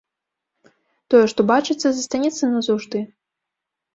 Тое, што бачыцца, застанецца назаўжды.